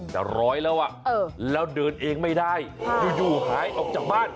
จะร้อยแล้วอ่ะเออแล้วเดินเองไม่ได้ค่ะอยู่อยู่หายออกจากบ้าน